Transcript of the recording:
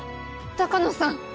鷹野さん